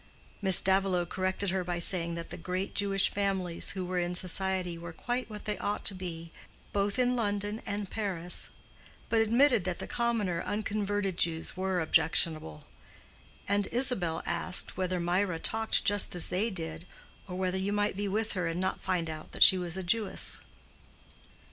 Mrs. Davilow corrected her by saying that the great Jewish families who were in society were quite what they ought to be both in London and Paris, but admitted that the commoner unconverted Jews were objectionable; and Isabel asked whether Mirah talked just as they did, or whether you might be with her and not find out that she was a Jewess.